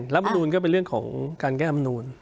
การแก้อำนูญก็เป็นเรื่องของการแก้อำนูญ